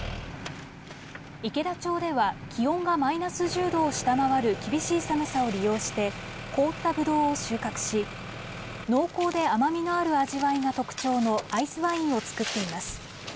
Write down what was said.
池田町では気温がマイナス１０度を下回る厳しい寒さを利用して凍ったぶどうを収穫し濃厚で甘みのある味わいが特徴のアイスワインを造っています。